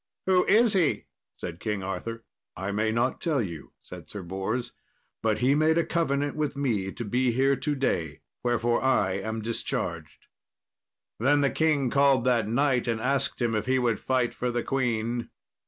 "Who is he?" said King Arthur. "I may not tell you," said Sir Bors; "but he made a covenant with me to be here to day, wherefore I am discharged." Then the king called that knight, and asked him if he would fight for the queen.